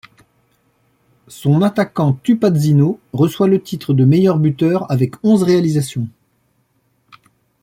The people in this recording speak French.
Son attaquant Tupãzinho reçoit le titre de meilleur buteur avec onze réalisations.